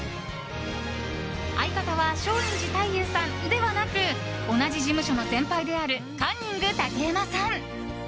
相方は松陰寺太勇さんではなく同じ事務所の先輩であるカンニング竹山さん。